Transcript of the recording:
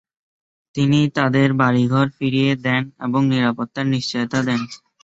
তিনি তাদের বাড়িঘর ফিরিয়ে দেন এবং নিরাপত্তার নিশ্চয়তা দেন।